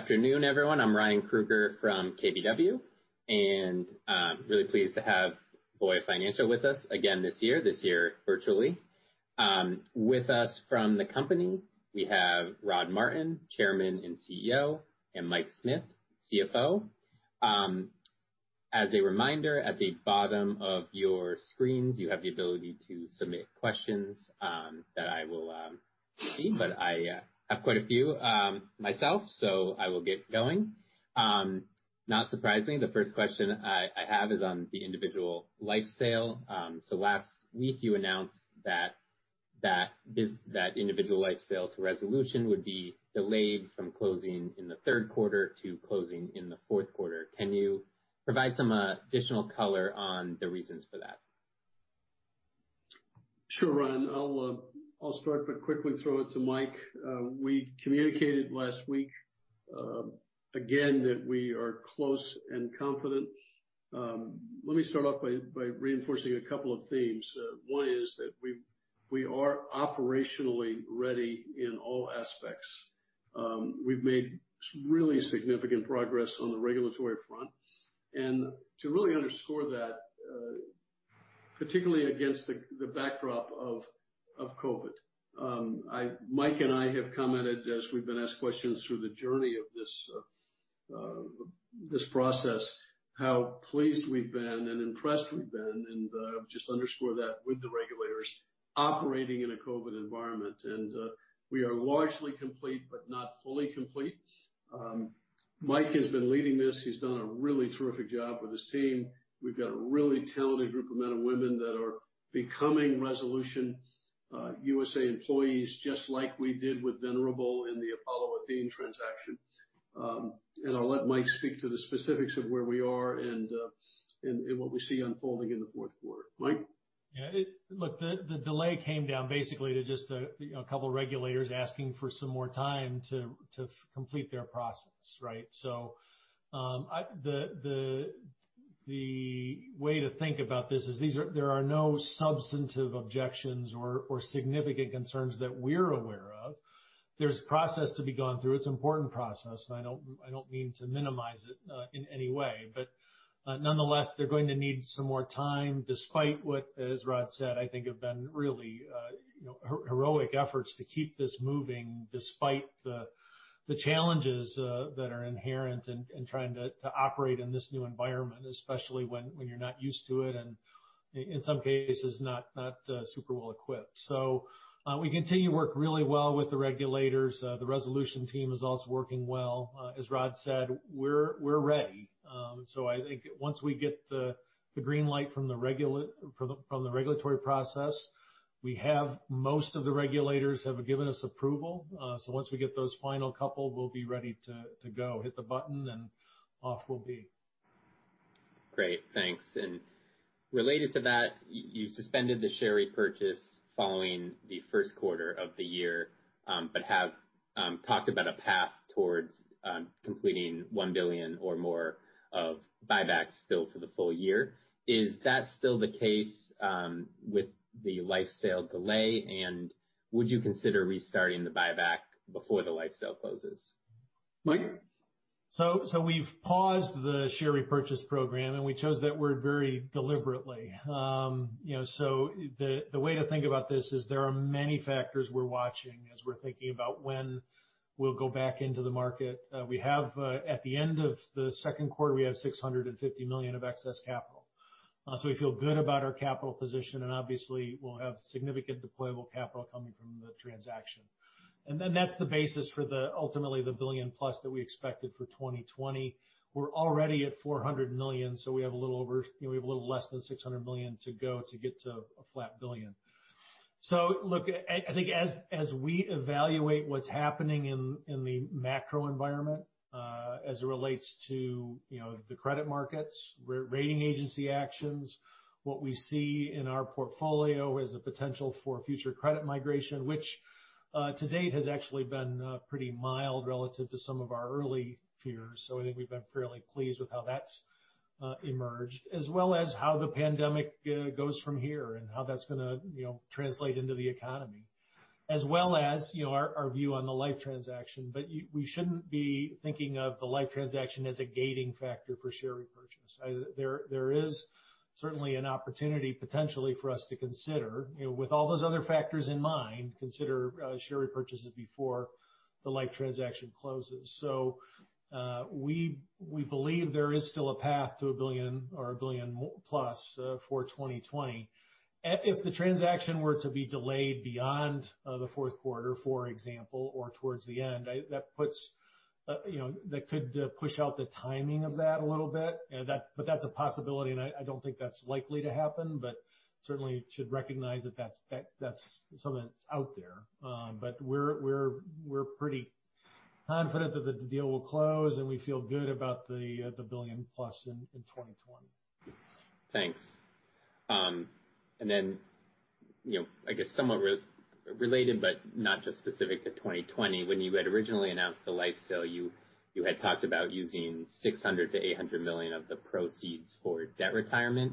Afternoon, everyone. I'm Ryan Krueger from KBW, and really pleased to have Voya Financial with us again this year, this year virtually. With us from the company, we have Rod Martin, Chairman and CEO, and Mike Smith, CFO. As a reminder, at the bottom of your screens, you have the ability to submit questions that I will see. I have quite a few myself, I will get going. Not surprising, the first question I have is on the individual life sale. Last week you announced that individual life sale to Resolution would be delayed from closing in the third quarter to closing in the fourth quarter. Can you provide some additional color on the reasons for that? Sure, Ryan. I'll start. Quickly throw it to Mike. We communicated last week again that we are close and confident. Let me start off by reinforcing a couple of themes. One is that we are operationally ready in all aspects. We've made really significant progress on the regulatory front, to really underscore that, particularly against the backdrop of COVID. Mike and I have commented as we've been asked questions through the journey of this process, how pleased we've been and impressed we've been and just underscore that with the regulators operating in a COVID environment. We are largely complete, not fully complete. Mike has been leading this. He's done a really terrific job with his team. We've got a really talented group of men and women that are becoming Resolution USA employees, just like we did with Venerable in the Apollo/Athene transaction. I'll let Mike speak to the specifics of where we are and what we see unfolding in the fourth quarter. Mike? Yeah. Look, the delay came down basically to just a couple of regulators asking for some more time to complete their process, right? The way to think about this is there are no substantive objections or significant concerns that we're aware of. There's a process to be gone through. It's an important process. I don't mean to minimize it in any way. Nonetheless, they're going to need some more time, despite what, as Rod said, I think have been really heroic efforts to keep this moving despite the challenges that are inherent in trying to operate in this new environment, especially when you're not used to it, and in some cases, not super well equipped. We continue to work really well with the regulators. The Resolution team is also working well. As Rod said, we're ready. I think once we get the green light from the regulatory process, we have most of the regulators have given us approval. Once we get those final couple, we'll be ready to go. Hit the button and off we'll be. Great. Thanks. Related to that, you suspended the share repurchase following the 1st quarter of the year but have talked about a path towards completing $1 billion or more of buybacks still for the full year. Is that still the case with the life sale delay, and would you consider restarting the buyback before the life sale closes? Mike? We've paused the share repurchase program, and we chose that word very deliberately. The way to think about this is there are many factors we're watching as we're thinking about when we'll go back into the market. At the end of the 2nd quarter, we have $650 million of excess capital. We feel good about our capital position, and obviously, we'll have significant deployable capital coming from the transaction. That's the basis for ultimately the billion-plus that we expected for 2020. We're already at $400 million, we have a little less than $600 million to go to get to a flat billion. Look, I think as we evaluate what's happening in the macro environment as it relates to the credit markets, rating agency actions, what we see in our portfolio as a potential for future credit migration, which to date has actually been pretty mild relative to some of our early fears. I think we've been fairly pleased with how that's emerged. As well as how the pandemic goes from here and how that's going to translate into the economy, as well as our view on the life transaction. We shouldn't be thinking of the life transaction as a gating factor for share repurchase. There is certainly an opportunity, potentially, for us to consider, with all those other factors in mind, consider share repurchases before the life transaction closes. We believe there is still a path to a $1 billion or a $1 billion-plus for 2020. If the transaction were to be delayed beyond the fourth quarter, for example, or towards the end, that could push out the timing of that a little bit. That's a possibility, and I don't think that's likely to happen, certainly should recognize that that's something that's out there. We're pretty confident that the deal will close, and we feel good about the $1 billion-plus in 2020. Thanks. I guess somewhat related but not just specific to 2020, when you had originally announced the life sale, you had talked about using $600 million to $800 million of the proceeds for debt retirement.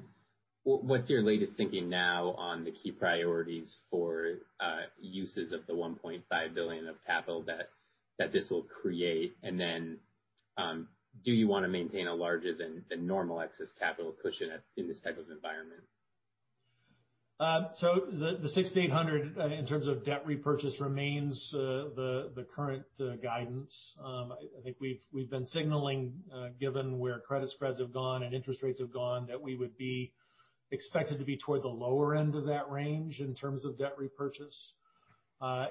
What's your latest thinking now on the key priorities for uses of the $1.5 billion of capital that this will create? Do you want to maintain a larger than normal excess capital cushion in this type of environment? The $600 million to $800 million in terms of debt repurchase remains the current guidance. I think we've been signaling, given where credit spreads have gone and interest rates have gone, that we would be expected to be toward the lower end of that range in terms of debt repurchase.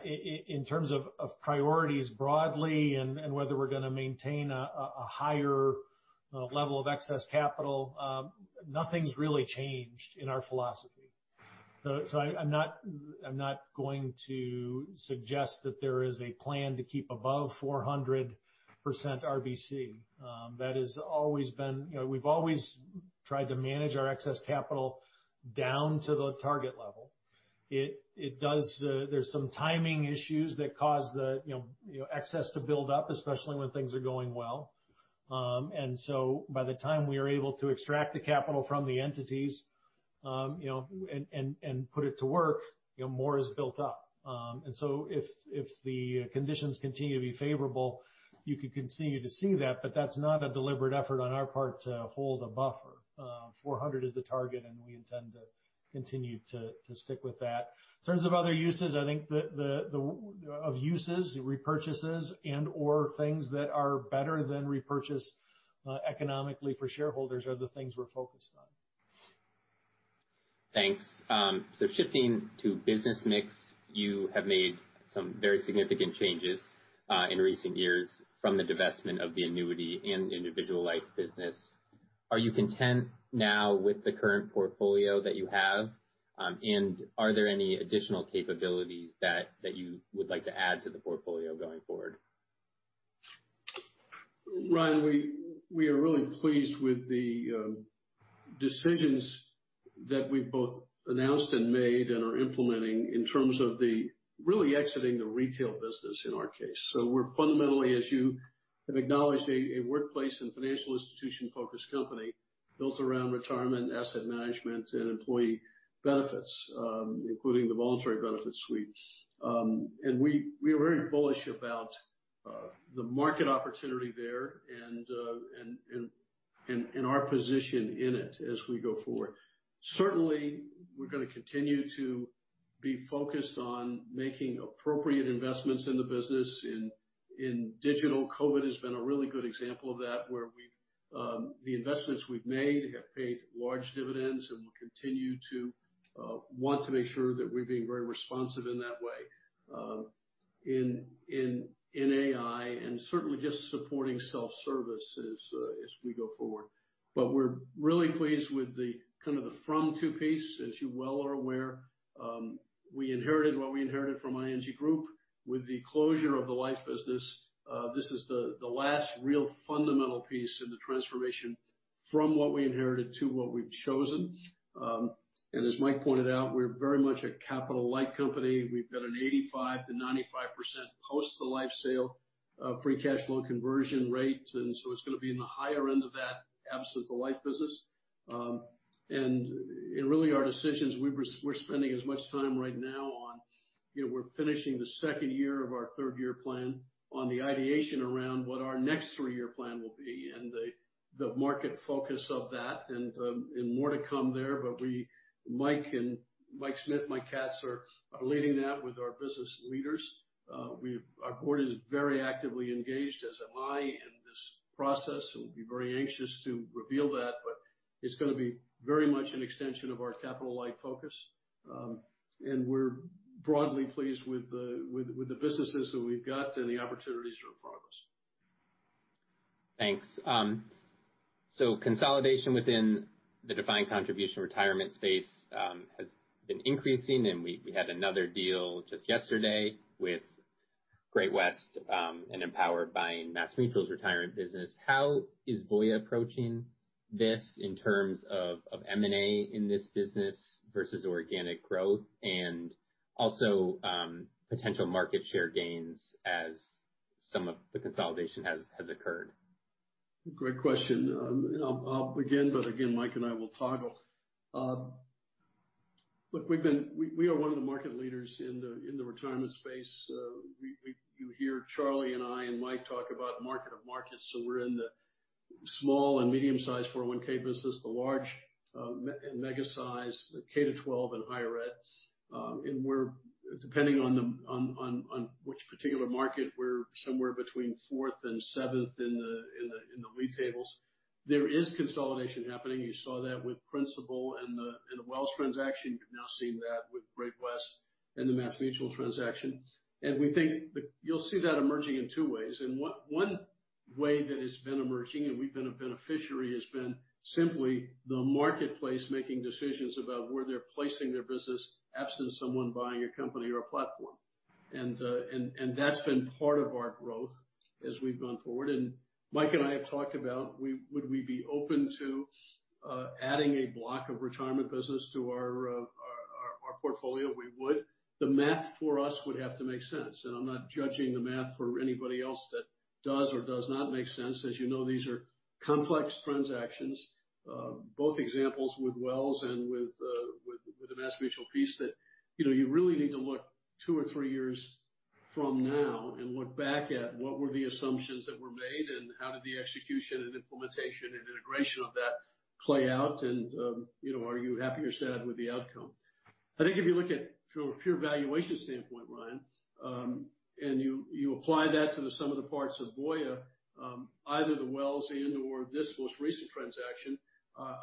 In terms of priorities broadly and whether we're going to maintain a higher level of excess capital, nothing's really changed in our philosophy. I'm not going to suggest that there is a plan to keep above 400% RBC. We've always tried to manage our excess capital down to the target level. There's some timing issues that cause the excess to build up, especially when things are going well. By the time we are able to extract the capital from the entities and put it to work, more is built up. If the conditions continue to be favorable, you could continue to see that's not a deliberate effort on our part to hold a buffer. 400 is the target, and we intend to continue to stick with that. In terms of other uses, I think of uses, repurchases, and/or things that are better than repurchase economically for shareholders are the things we're focused on. Thanks. Shifting to business mix, you have made some very significant changes in recent years from the divestment of the annuity and individual life business. Are you content now with the current portfolio that you have? Are there any additional capabilities that you would like to add to the portfolio going forward? Ryan, we are really pleased with the decisions that we've both announced and made and are implementing in terms of the really exiting the retail business in our case. We're fundamentally, as you have acknowledged, a workplace and financial institution-focused company built around retirement asset management and employee benefits, including the voluntary benefit suites. We are very bullish about the market opportunity there and our position in it as we go forward. Certainly, we're going to continue to be focused on making appropriate investments in the business in digital. COVID has been a really good example of that, where the investments we've made have paid large dividends, and we'll continue to want to make sure that we're being very responsive in that way in AI and certainly just supporting self-service as we go forward. We're really pleased with the from-to piece, as you well are aware. We inherited what we inherited from ING Group with the closure of the life business. This is the last real fundamental piece in the transformation from what we inherited to what we've chosen. As Mike pointed out, we're very much a capital-light company. We've got an 85%-95% post the life sale free cash flow conversion rate, it's going to be in the higher end of that absent the life business. In really our decisions, we're spending as much time right now on we're finishing the second year of our third-year plan on the ideation around what our next three-year plan will be and the market focus of that. More to come there, Mike Smith, Mike Katz are leading that with our business leaders. Our board is very actively engaged, as am I, in this process, we'll be very anxious to reveal that, it's going to be very much an extension of our capital-light focus. We're broadly pleased with the businesses that we've got and the opportunities are in progress. Thanks. Consolidation within the Defined Contribution retirement space has been increasing, and we had another deal just yesterday with Great-West and Empower buying MassMutual's retirement business. How is Voya approaching this in terms of M&A in this business versus organic growth, and also potential market share gains as some of the consolidation has occurred? Great question. I'll begin, but again, Mike and I will toggle. We are one of the market leaders in the retirement space. You hear Charlie and I and Mike talk about market of markets. We're in the small and medium-sized 401(k) business, the large and mega size, the K-12 and higher eds. Depending on which particular market, we're somewhere between fourth and seventh in the lead tables. There is consolidation happening. You saw that with Principal and the Wells transaction. You're now seeing that with Great-West and the MassMutual transaction. We think that you'll see that emerging in two ways. One way that it's been emerging, and we've been a beneficiary, has been simply the marketplace making decisions about where they're placing their business absent someone buying a company or a platform. That's been part of our growth as we've gone forward. Mike and I have talked about would we be open to adding a block of retirement business to our portfolio, we would. The math for us would have to make sense, and I'm not judging the math for anybody else that does or does not make sense. As you know, these are complex transactions, both examples with Wells and with the MassMutual piece that you really need to look two or three years from now and look back at what were the assumptions that were made, and how did the execution and implementation and integration of that play out, and are you happy or sad with the outcome? I think if you look at through a pure valuation standpoint, Ryan, you apply that to the sum of the parts of Voya, either the Wells and/or this most recent transaction,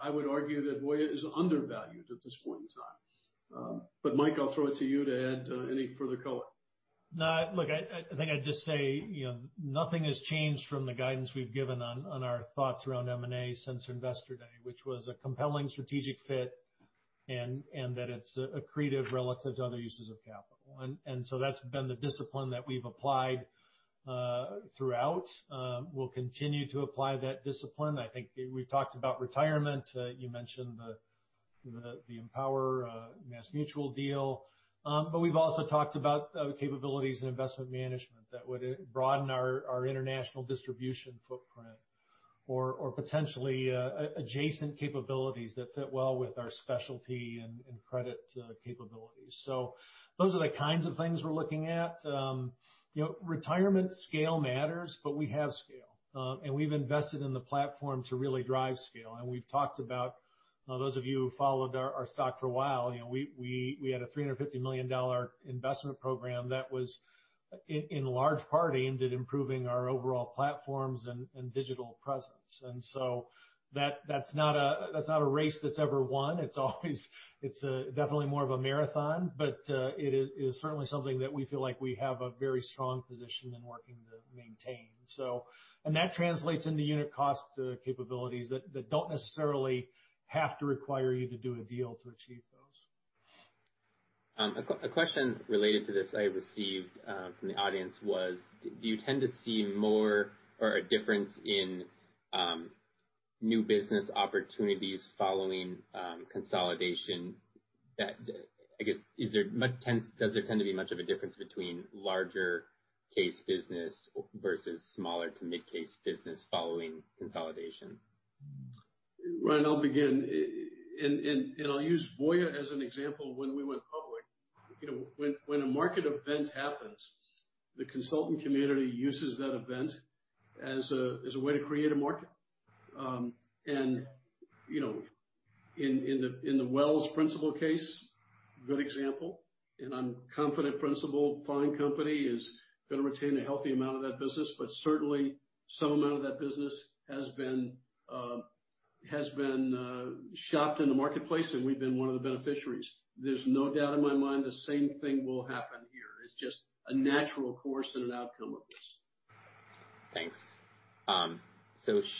I would argue that Voya is undervalued at this point in time. Mike, I'll throw it to you to add any further color. No, look, I think I'd just say, nothing has changed from the guidance we've given on our thoughts around M&A since Investor Day, which was a compelling strategic fit and that it's accretive relative to other uses of capital. That's been the discipline that we've applied throughout. We'll continue to apply that discipline. I think we've talked about Retirement. You mentioned the Empower MassMutual deal. We've also talked about capabilities in investment management that would broaden our international distribution footprint or potentially adjacent capabilities that fit well with our specialty and credit capabilities. Those are the kinds of things we're looking at. Retirement scale matters, but we have scale. We've invested in the platform to really drive scale. We've talked about, those of you who followed our stock for a while, we had a $350 million investment program that was in large part aimed at improving our overall platforms and digital presence. That's not a race that's ever won. It's definitely more of a marathon, but it is certainly something that we feel like we have a very strong position in working to maintain. That translates into unit cost capabilities that don't necessarily have to require you to do a deal to achieve those. A question related to this I received from the audience was, do you tend to see more or a difference in new business opportunities following consolidation that, I guess, does there tend to be much of a difference between larger case business versus smaller to mid-case business following consolidation? Ryan, I'll begin, and I'll use Voya as an example when we went public. When a market event happens, the consultant community uses that event as a way to create a market. In the Wells Principal case, a good example, and I'm confident Principal, fine company, is going to retain a healthy amount of that business, but certainly some amount of that business has been shopped in the marketplace, and we've been one of the beneficiaries. There's no doubt in my mind the same thing will happen here. It's just a natural course and an outcome of this. Thanks.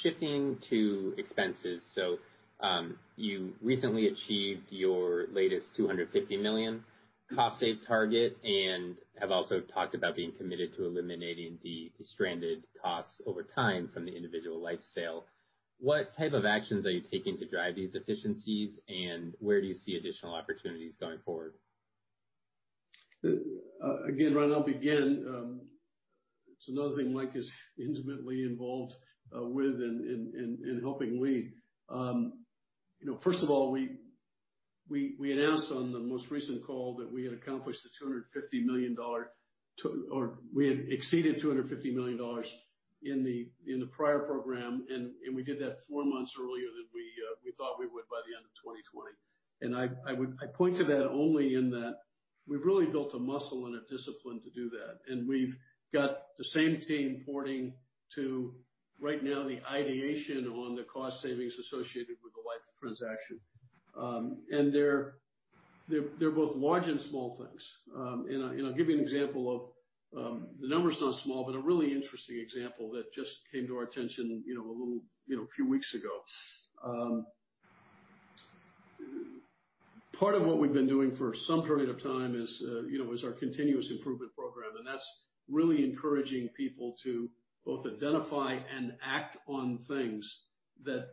Shifting to expenses. You recently achieved your latest $250 million cost save target and have also talked about being committed to eliminating the stranded costs over time from the Individual Life sale. What type of actions are you taking to drive these efficiencies, and where do you see additional opportunities going forward? Again, Ryan, I'll begin. It's another thing Mike is intimately involved with in helping lead. First of all, we announced on the most recent call that we had accomplished the $250 million or we had exceeded $250 million in the prior program, and we did that four months earlier than we thought we would by the end of 2020. I point to that only in that we've really built a muscle and a discipline to do that. We've got the same team porting to, right now, the ideation on the cost savings associated with the Life transaction. They're both large and small things. I'll give you an example of, the number's not small, but a really interesting example that just came to our attention a few weeks ago. Part of what we've been doing for some period of time is our Continuous Improvement Program, and that's really encouraging people to both identify and act on things that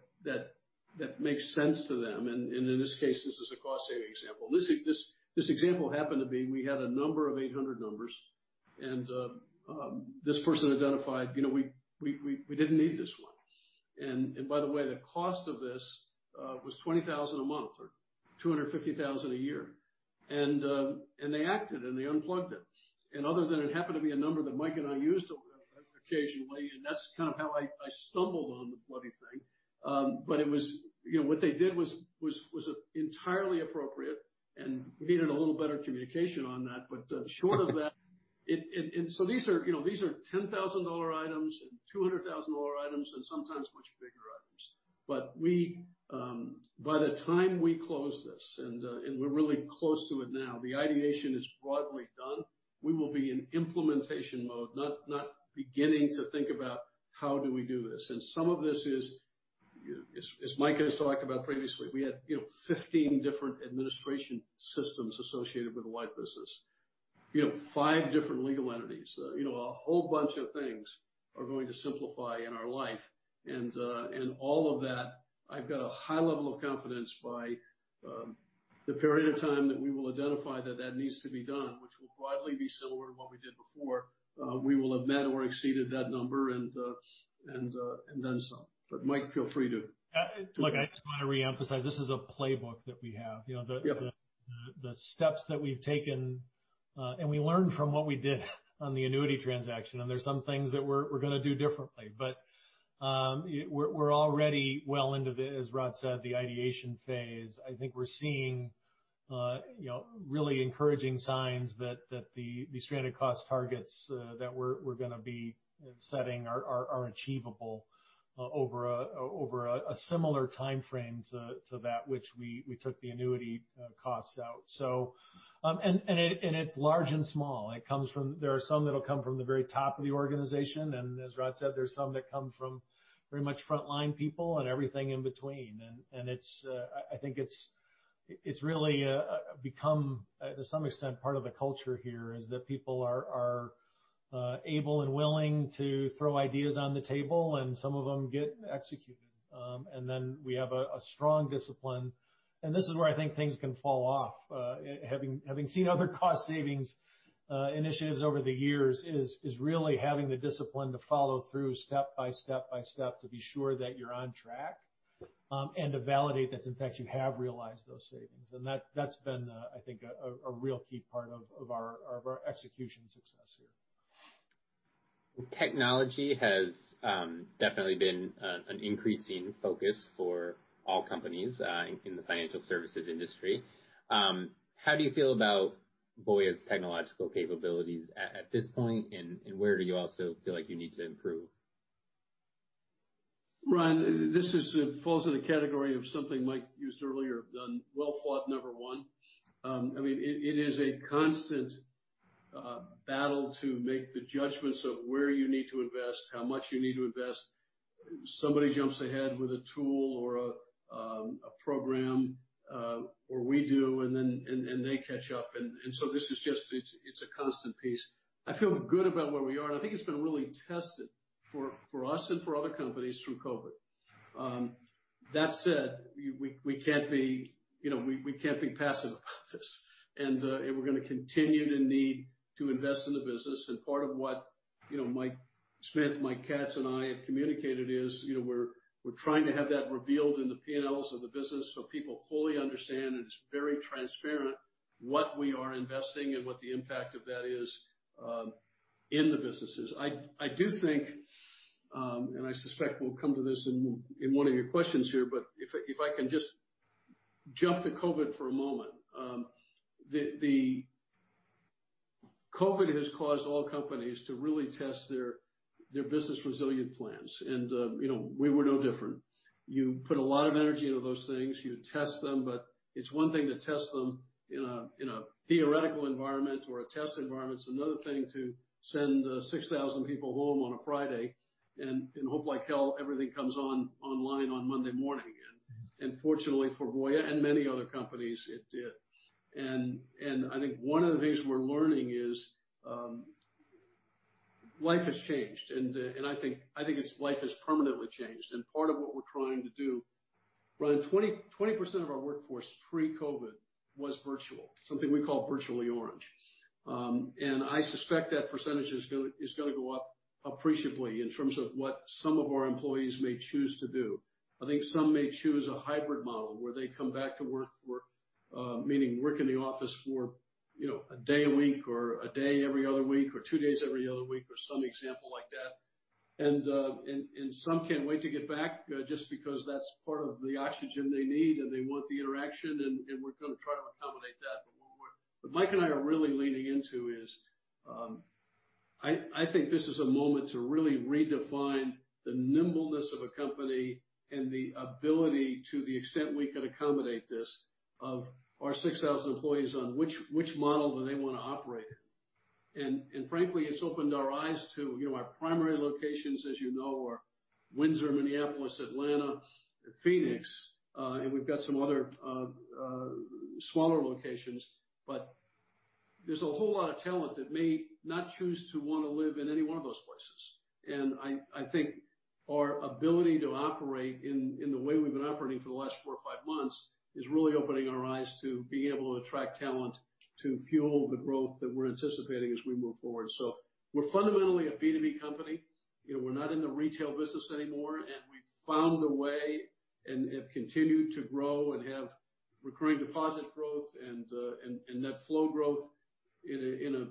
make sense to them. In this case, this is a cost-saving example. This example happened to be, we had a number of 800 numbers, and this person identified we didn't need this one. By the way, the cost of this was $20,000 a month or $250,000 a year. They acted, and they unplugged it. Other than it happened to be a number that Mike and I used occasionally, and that's kind of how I stumbled on the bloody thing. What they did was entirely appropriate and needed a little better communication on that. Short of that, these are $10,000 items and $200,000 items, and sometimes much bigger items. By the time we close this, and we're really close to it now, the ideation is broadly done. We will be in implementation mode, not beginning to think about how do we do this. Some of this is, as Mike has talked about previously, we had 15 different administration systems associated with the Life business. We have five different legal entities. A whole bunch of things are going to simplify in our life. All of that, I've got a high level of confidence by the period of time that we will identify that needs to be done, which will broadly be similar to what we did before. We will have met or exceeded that number and then some. Mike, feel free to- I just want to reemphasize, this is a playbook that we have. Yep. The steps that we've taken. We learned from what we did on the annuity transaction, and there's some things that we're going to do differently. We're already well into the, as Rod said, the ideation phase. I think we're seeing really encouraging signs that the stranded cost targets that we're going to be setting are achievable over a similar timeframe to that which we took the annuity costs out. It's large and small. There are some that'll come from the very top of the organization. As Rod said, there's some that come from very much frontline people and everything in between. I think it's really become, to some extent, part of the culture here is that people are able and willing to throw ideas on the table, and some of them get executed. We have a strong discipline. This is where I think things can fall off. Having seen other cost savings initiatives over the years is really having the discipline to follow through step by step to be sure that you're on track, and to validate that in fact, you have realized those savings. That's been, I think, a real key part of our execution success here. Technology has definitely been an increasing focus for all companies in the financial services industry. How do you feel about Voya's technological capabilities at this point, and where do you also feel like you need to improve? Ryan, this falls in the category of something Mike used earlier, well thought number 1. It is a constant battle to make the judgments of where you need to invest, how much you need to invest. Somebody jumps ahead with a tool or a program, or we do, and they catch up. This is just, it's a constant piece. I feel good about where we are, and I think it's been really tested for us and for other companies through COVID. That said, we can't be passive about this. We're going to continue to need to invest in the business, and part of what Mike Smith, Mike Katz, and I have communicated is we're trying to have that revealed in the P&Ls of the business so people fully understand, and it's very transparent what we are investing and what the impact of that is in the businesses. I do think, I suspect we'll come to this in one of your questions here, but if I can just jump to COVID for a moment. COVID has caused all companies to really test their business resilient plans, and we were no different. You put a lot of energy into those things, you test them, but it's one thing to test them in a theoretical environment or a test environment. It's another thing to send 6,000 people home on a Friday and hope like hell everything comes online on Monday morning. Fortunately for Voya and many other companies, it did. I think one of the things we're learning is life has changed. I think life has permanently changed. Part of what we're trying to do, Ryan, 20% of our workforce pre-COVID was virtual, something we call Virtually Orange. I suspect that percentage is going to go up appreciably in terms of what some of our employees may choose to do. I think some may choose a hybrid model where they come back to work, meaning work in the office for a day a week or a day every other week or two days every other week or some example like that. Some can't wait to get back just because that's part of the oxygen they need, and they want the interaction and we're going to try to accommodate that. What Mike and I are really leaning into is, I think this is a moment to really redefine the nimbleness of a company and the ability to the extent we can accommodate this of our 6,000 employees on which model do they want to operate in. Frankly, it's opened our eyes to our primary locations, as you know, are Windsor, Minneapolis, Atlanta, and Phoenix. We've got some other smaller locations, but there's a whole lot of talent that may not choose to want to live in any one of those places. I think our ability to operate in the way we've been operating for the last four or five months is really opening our eyes to being able to attract talent to fuel the growth that we're anticipating as we move forward. We're fundamentally a B2B company. We're not in the retail business anymore, and we found a way and have continued to grow and have recurring deposit growth and net flow growth in an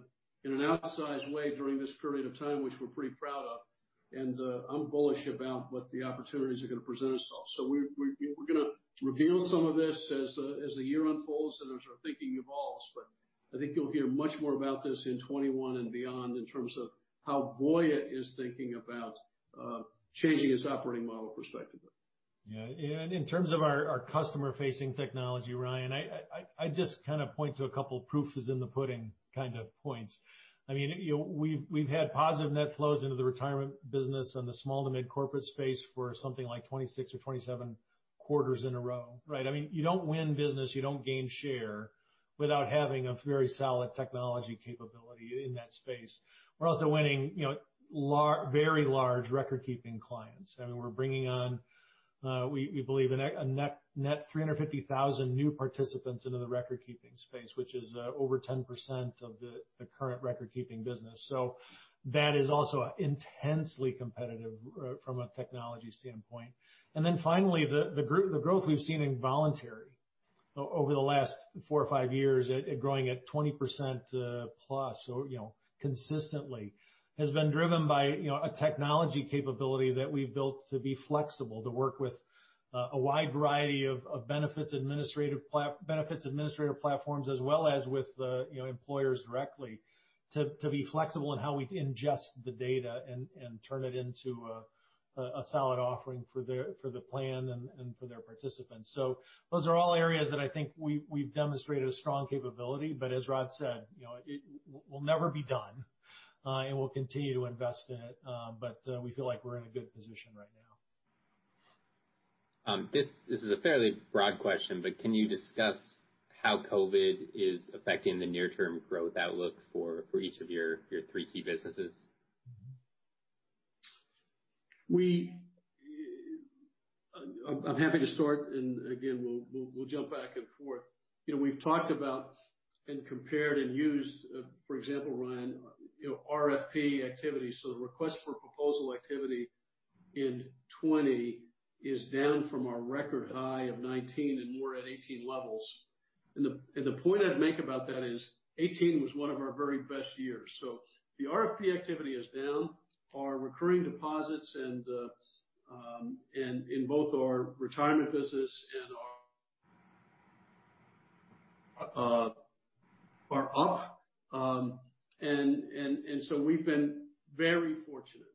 outsized way during this period of time, which we're pretty proud of. I'm bullish about what the opportunities are going to present ourselves. We're going to reveal some of this as the year unfolds and as our thinking evolves, but I think you'll hear much more about this in 2021 and beyond in terms of how Voya is thinking about changing its operating model perspective. In terms of our customer-facing technology, Ryan, I just point to a couple proofs in the pudding kind of points. We've had positive net flows into the retirement business and the small to mid corporate space for something like 26 or 27 quarters in a row, right? You don't win business, you don't gain share without having a very solid technology capability in that space. We're also winning very large record-keeping clients. We're bringing on, we believe, a net 350,000 new participants into the record-keeping space, which is over 10% of the current record-keeping business. That is also intensely competitive from a technology standpoint. Finally, the growth we've seen in voluntary over the last four or five years, growing at 20% plus consistently, has been driven by a technology capability that we've built to be flexible, to work with a wide variety of benefits administrator platforms, as well as with employers directly to be flexible in how we ingest the data and turn it into a solid offering for the plan and for their participants. Those are all areas that I think we've demonstrated a strong capability. As Rod said, we'll never be done, and we'll continue to invest in it. We feel like we're in a good position right now. This is a fairly broad question, but can you discuss how COVID is affecting the near-term growth outlook for each of your three key businesses? I'm happy to start, again, we'll jump back and forth. We've talked about and compared and used, for example, Ryan, RFP activity. The request for proposal activity in 2020 is down from our record high of 2019 and more at 2018 levels. The point I'd make about that is 2018 was one of our very best years. The RFP activity is down. Our recurring deposits in both our retirement business and our, are up. We've been very fortunate.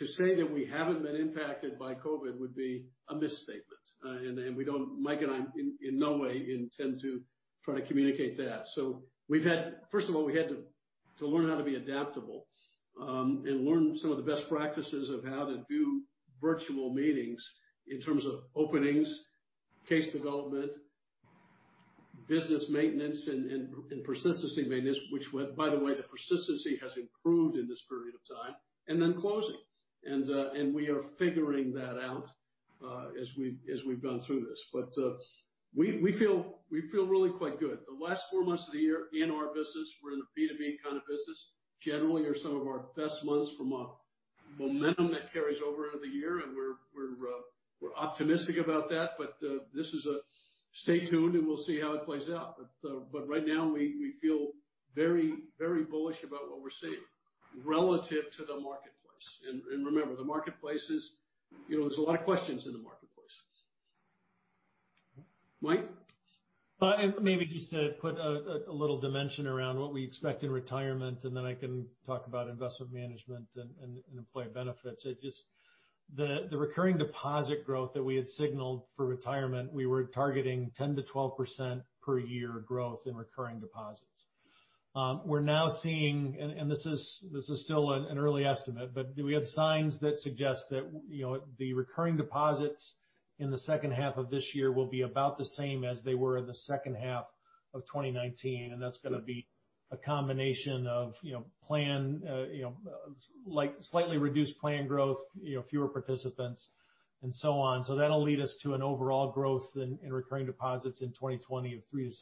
To say that we haven't been impacted by COVID would be a misstatement. Mike and I, in no way intend to try to communicate that. First of all, we had to learn how to be adaptable, and learn some of the best practices of how to do virtual meetings in terms of openings, case development, business maintenance, and persistency maintenance, by the way, the persistency has improved in this period of time, and then closing. We are figuring that out as we've gone through this. We feel really quite good. The last four months of the year in our business, we're in a B2B kind of business, generally are some of our best months from a momentum that carries over into the year and we're optimistic about that, but stay tuned and we'll see how it plays out. Right now, we feel very bullish about what we're seeing relative to the marketplace. Remember, there's a lot of questions in the marketplace. Mike? Maybe just to put a little dimension around what we expect in retirement, then I can talk about investment management and employee benefits. The recurring deposit growth that we had signaled for retirement, we were targeting 10%-12% per year growth in recurring deposits. We're now seeing, and this is still an early estimate, but we have signs that suggest that the recurring deposits in the second half of this year will be about the same as they were in the second half of 2019. That's going to be a combination of slightly reduced plan growth, fewer participants and so on. That'll lead us to an overall growth in recurring deposits in 2020 of 3%-6%.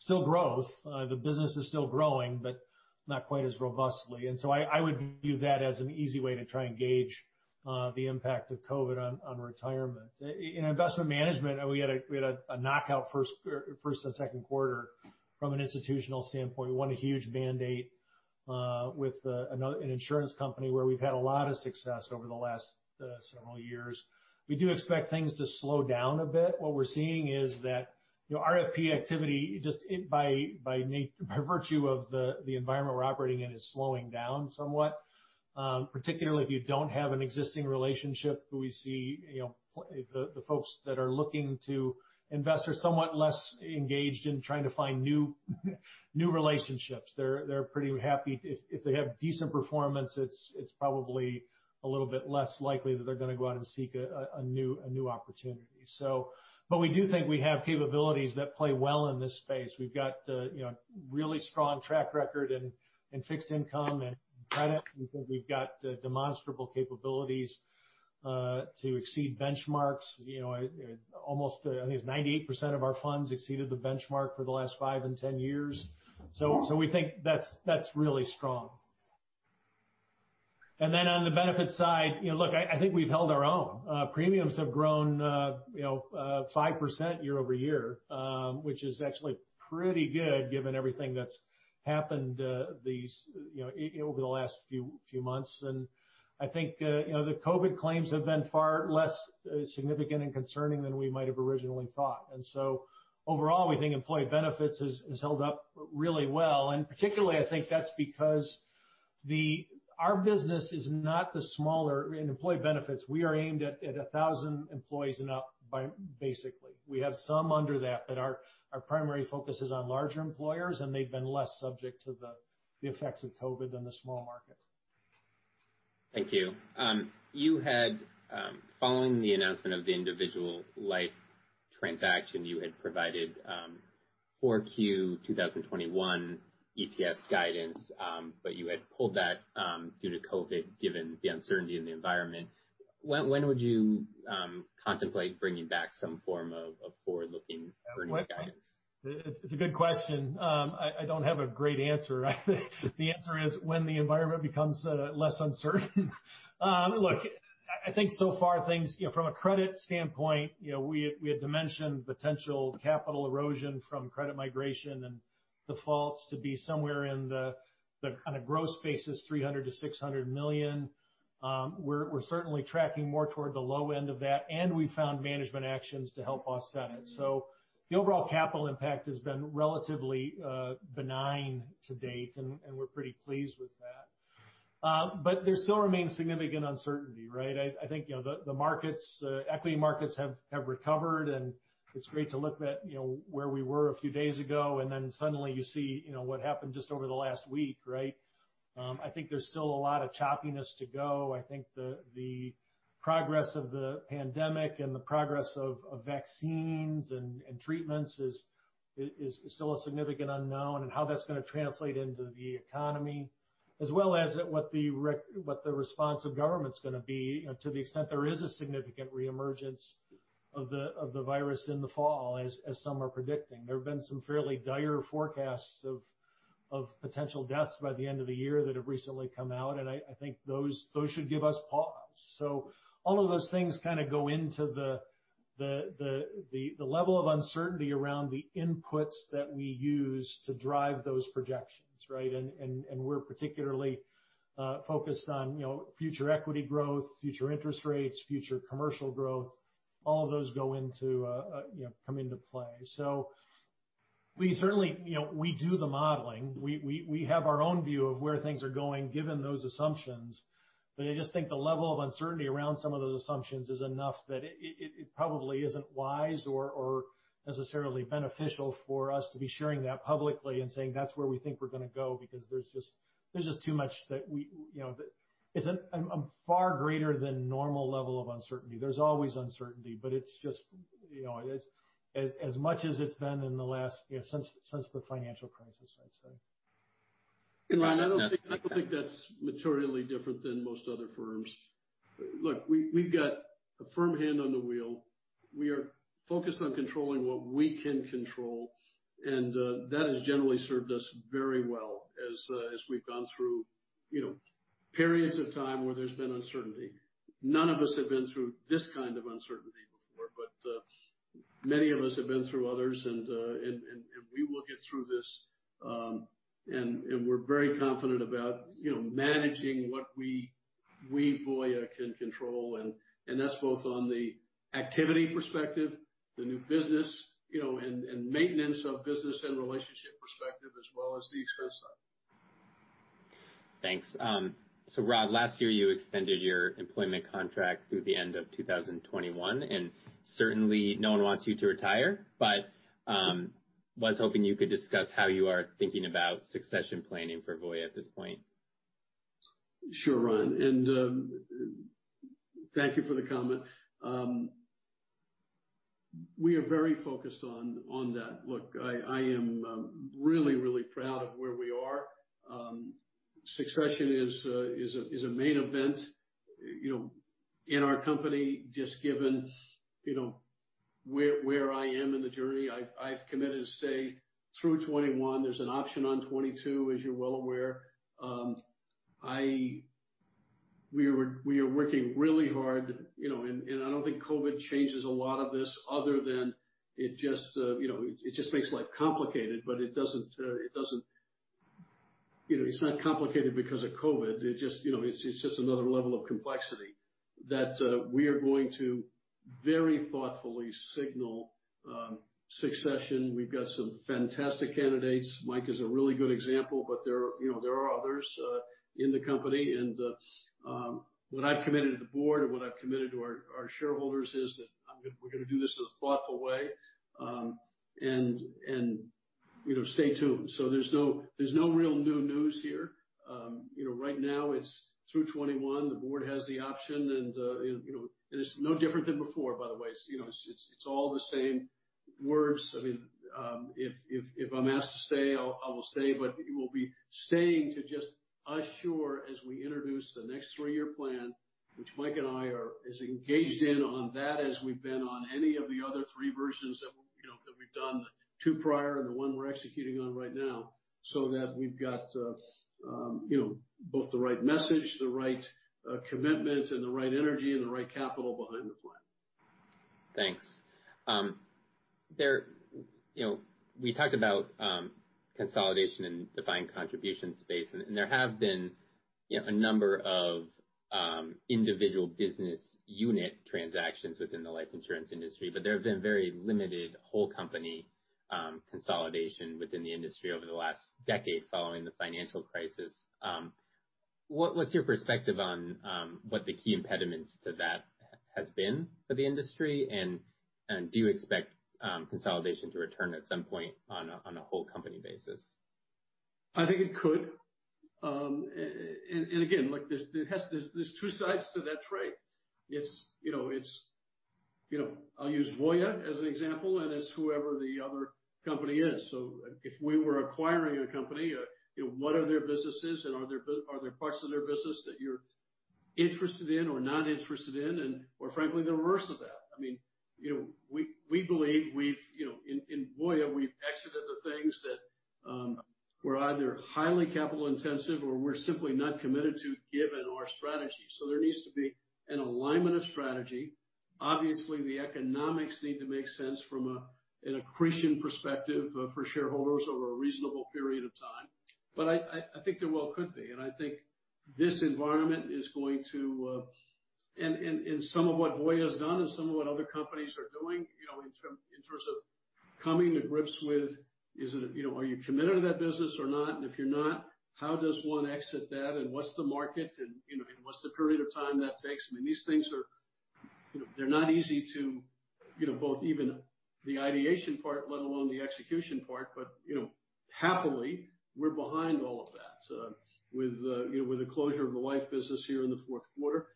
Still growth. The business is still growing, but not quite as robustly. I would view that as an easy way to try and gauge the impact of COVID on retirement. In investment management, we had a knockout first and second quarter from an institutional standpoint. We won a huge mandate with an insurance company where we've had a lot of success over the last several years. We do expect things to slow down a bit. What we're seeing is that RFP activity, just by virtue of the environment we're operating in, is slowing down somewhat. Particularly if you don't have an existing relationship, we see the folks that are looking to invest are somewhat less engaged in trying to find new relationships. They're pretty happy if they have decent performance, it's probably a little bit less likely that they're going to go out and seek a new opportunity. We do think we have capabilities that play well in this space. We've got a really strong track record in fixed income and credit. We think we've got demonstrable capabilities to exceed benchmarks. I think it's 98% of our funds exceeded the benchmark for the last five and 10 years. We think that's really strong. On the benefits side, look, I think we've held our own. Premiums have grown 5% year-over-year, which is actually pretty good given everything that's happened over the last few months. I think the COVID claims have been far less significant and concerning than we might have originally thought. Overall, we think employee benefits has held up really well. Particularly, I think that's because our business is not the smaller in employee benefits. We are aimed at 1,000 employees and up, basically. We have some under that, our primary focus is on larger employers, they've been less subject to the effects of COVID than the small market. Thank you. Following the announcement of the individual life transaction, you had provided 4Q 2021 EPS guidance, you had pulled that due to COVID, given the uncertainty in the environment. When would you contemplate bringing back some form of forward-looking earnings guidance? It's a good question. I don't have a great answer. The answer is when the environment becomes less uncertain. Look, I think so far, from a credit standpoint, we had dimensioned potential capital erosion from credit migration and defaults to be somewhere in the kind of gross basis, $300 million-$600 million. We're certainly tracking more toward the low end of that, we found management actions to help offset it. The overall capital impact has been relatively benign to date, we're pretty pleased with that. There still remains significant uncertainty, right? I think the equity markets have recovered, it's great to look at where we were a few days ago, suddenly you see what happened just over the last week, right? I think there's still a lot of choppiness to go. I think the progress of the pandemic and the progress of vaccines and treatments is still a significant unknown and how that's going to translate into the economy as well as what the response of government's going to be to the extent there is a significant reemergence of the virus in the fall, as some are predicting. There have been some fairly dire forecasts of potential deaths by the end of the year that have recently come out, and I think those should give us pause. All of those things kind of go into the level of uncertainty around the inputs that we use to drive those projections, right? We're particularly focused on future equity growth, future interest rates, future commercial growth. All of those come into play. We do the modeling. We have our own view of where things are going, given those assumptions, but I just think the level of uncertainty around some of those assumptions is enough that it probably isn't wise or necessarily beneficial for us to be sharing that publicly and saying that's where we think we're going to go, because there's just too much that isn't a far greater than normal level of uncertainty. There's always uncertainty, but as much as it's been since the financial crisis, I'd say. That makes sense. Ryan, I don't think that's materially different than most other firms. Look, we've got a firm hand on the wheel. We are focused on controlling what we can control, and that has generally served us very well as we've gone through periods of time where there's been uncertainty. None of us have been through this kind of uncertainty before, but many of us have been through others and we will get through this. We're very confident about managing what we, Voya, can control, and that's both on the activity perspective, the new business, and maintenance of business and relationship perspective as well as the expense side. Thanks. Rod, last year you extended your employment contract through the end of 2021, and certainly no one wants you to retire, but was hoping you could discuss how you are thinking about succession planning for Voya at this point. Sure, Ryan, and thank you for the comment. We are very focused on that. Look, I am really proud of where we are. Succession is a main event in our company, just given where I am in the journey. I've committed to stay through 2021. There's an option on 2022, as you're well aware. We are working really hard. I don't think COVID changes a lot of this other than it just makes life complicated, but it's not complicated because of COVID. It's just another level of complexity that we are going to very thoughtfully signal succession. We've got some fantastic candidates. Mike is a really good example, but there are others in the company, and what I've committed to the board and what I've committed to our shareholders is that we're going to do this in a thoughtful way, and stay tuned. There's no real new news here. Right now it's through 2021. The board has the option and it is no different than before, by the way. It's all the same words. If I'm asked to stay, I will stay, but it will be staying to just assure as we introduce the next three-year plan, which Mike and I are as engaged in on that as we've been on any of the other three versions that we've done, the two prior and the one we're executing on right now, that we've got both the right message, the right commitment, and the right energy and the right capital behind the plan. Thanks. We talked about consolidation in Defined Contribution space. There have been a number of individual business unit transactions within the life insurance industry, but there have been very limited whole company consolidation within the industry over the last decade following the financial crisis. What's your perspective on what the key impediments to that has been for the industry, and do you expect consolidation to return at some point on a whole company basis? I think it could. Again, look, there's two sides to that trade. I'll use Voya as an example and as whoever the other company is. If we were acquiring a company, what are their businesses and are there parts of their business that you're interested in or not interested in, or frankly, the reverse of that? We believe in Voya, we've exited the things that were either highly capital intensive or we're simply not committed to given our strategy. There needs to be an alignment of strategy. Obviously, the economics need to make sense from an accretion perspective for shareholders over a reasonable period of time. I think there well could be, and I think this environment is going to some of what Voya has done and some of what other companies are doing, in terms of coming to grips with, are you committed to that business or not? If you're not, how does one exit that? What's the market? What's the period of time that takes? These things are not easy to both even the ideation part, let alone the execution part. Happily, we're behind all of that, with the closure of the life business here in the fourth quarter.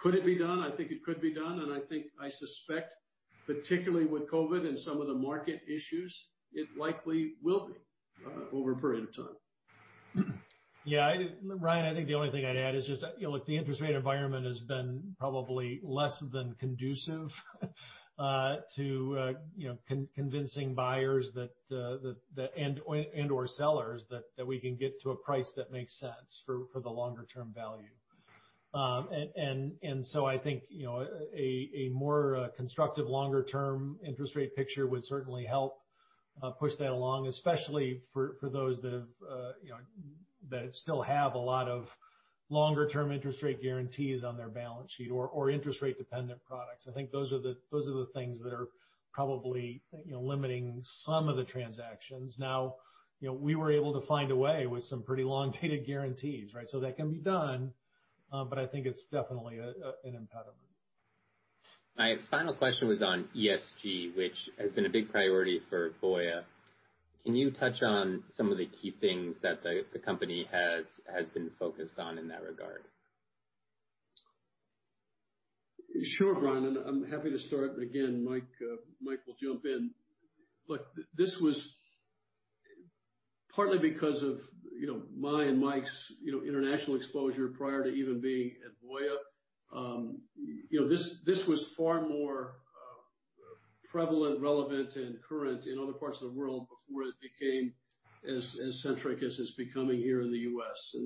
Could it be done? I think it could be done, and I suspect, particularly with COVID and some of the market issues, it likely will be over a period of time. Ryan, I think the only thing I'd add is just, look, the interest rate environment has been probably less than conducive to convincing buyers that, and/or sellers, that we can get to a price that makes sense for the longer-term value. I think a more constructive longer-term interest rate picture would certainly help push that along, especially for those that still have a lot of longer-term interest rate guarantees on their balance sheet or interest rate dependent products. I think those are the things that are probably limiting some of the transactions. We were able to find a way with some pretty long-dated guarantees. That can be done, but I think it's definitely an impediment. My final question was on ESG, which has been a big priority for Voya. Can you touch on some of the key things that the company has been focused on in that regard? Sure, Ryan, I'm happy to start. Again, Mike will jump in. This was partly because of my and Mike's international exposure prior to even being at Voya. This was far more prevalent, relevant, and current in other parts of the world before it became as centric as it's becoming here in the U.S.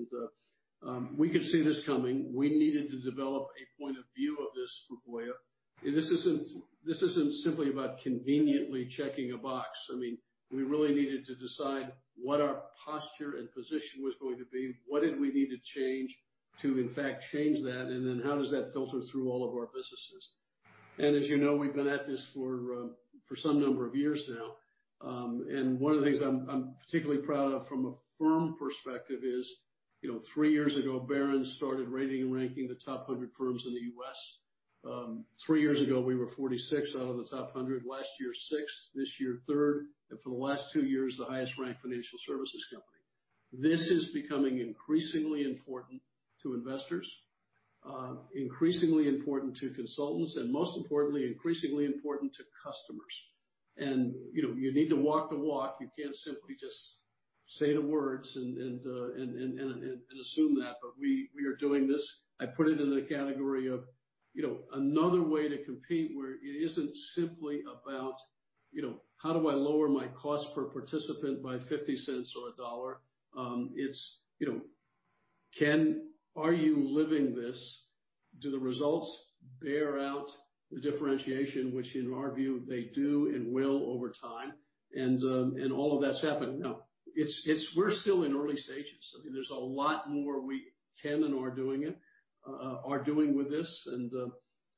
We could see this coming. We needed to develop a point of view of this for Voya. This isn't simply about conveniently checking a box. We really needed to decide what our posture and position was going to be. What did we need to change to in fact change that? How does that filter through all of our businesses? As you know, we've been at this for some number of years now. One of the things I'm particularly proud of from a firm perspective is, 3 years ago, Barron's started rating and ranking the top 100 firms in the U.S. 3 years ago, we were 46 out of the top 100, last year, sixth, this year, third. For the last 2 years, the highest-ranked financial services company. This is becoming increasingly important to investors, increasingly important to consultants, most importantly, increasingly important to customers. You need to walk the walk. You can't simply just say the words and assume that, but we are doing this. I put it in the category of another way to compete, where it isn't simply about how do I lower my cost per participant by $0.50 or $1? It's are you living this? Do the results bear out the differentiation, which in our view, they do and will over time. All of that's happened. Now, we're still in early stages. There's a lot more we can and are doing with this.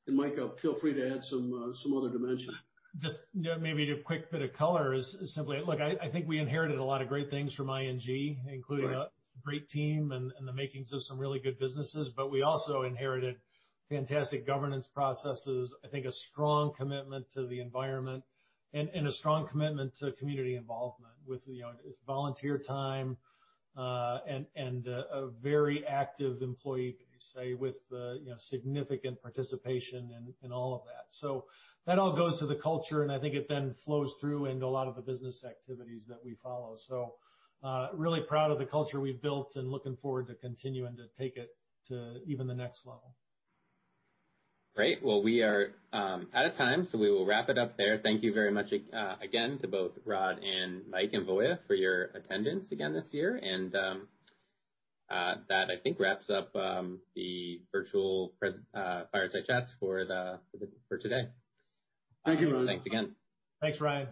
Mike, feel free to add some other dimension. Just maybe a quick bit of color is simply, look, I think I inherited a lot of great things from ING Group, including a great team and the makings of some really good businesses. We also inherited fantastic governance processes, I think a strong commitment to the environment, and a strong commitment to community involvement with volunteer time, and a very active employee base with significant participation and all of that. That all goes to the culture, and I think it then flows through into a lot of the business activities that we follow. Really proud of the culture we've built and looking forward to continuing to take it to even the next level. Great. Well, we are out of time, so we will wrap it up there. Thank you very much again to both Rod and Mike and Voya for your attendance again this year. That, I think, wraps up the virtual fireside chat for today. Thank you, Ryan. Thanks again. Thanks, Ryan.